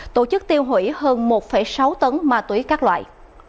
tổ chức tiêu hủy hơn một sáu tấn ma túy các loại